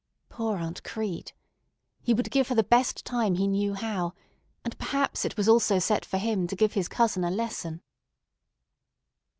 Poor Aunt Crete! He would give her the best time he knew how, and perhaps it was also set for him to give his cousin a lesson.